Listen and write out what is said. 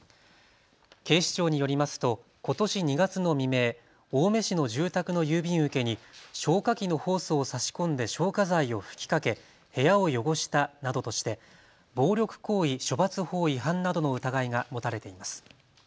警視庁によりますとことし２月の未明、青梅市の住宅の郵便受けに消火器のホースを差し込んで消火剤を吹きかけ部屋を汚したなどとして暴力行為処罰法違反などの疑いが持たれています。